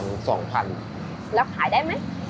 มีประมาณ๒๐๐๐บาท